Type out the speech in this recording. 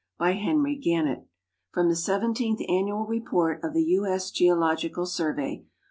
By Henry Gannett. From the Seventeenth Annual Report of the U. .8. Geological Survey.